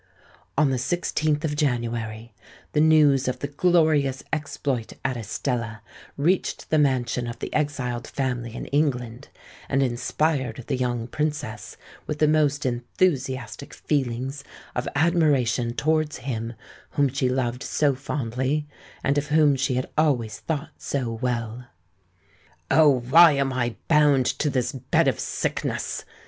On the 16th of January, the news of the glorious exploit at Estella reached the mansion of the exiled family in England; and inspired the young Princess with the most enthusiastic feelings of admiration towards him whom she loved so fondly, and of whom she had always thought so well. "Oh! why am I bound to this bed of sickness?"